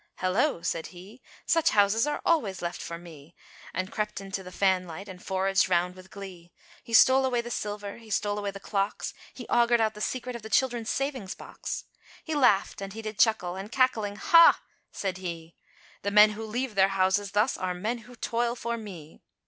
"Hello!" said he, "such houses are always left for me," And crept into the fanlight, and foraged round with glee. He stole away the silver, he stole away the clocks, He augured out the secret, of the children's savings' box; He laughed, and he did chuckle, and cackling "Ha!" said he, "The men who leave their houses thus, are men who toil for me."